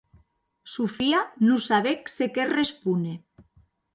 Sofia non sabec se qué respóner.